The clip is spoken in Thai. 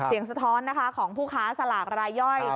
นี่ค่ะเสียงสะท้อนนะคะของผู้ค้าสลากรายย่อย